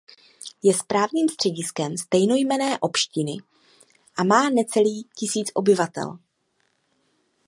Je správním střediskem stejnojmenné obštiny a má necelý tisíc obyvatel.